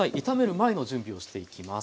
前の準備をしていきます。